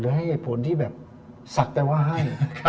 หรือให้เหตุผลที่แบบสักแต่ว่าให้